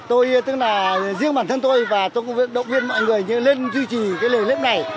tôi tức là riêng bản thân tôi và tôi cũng động viên mọi người lên duy trì cái lời lếp này